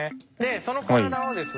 その体をですね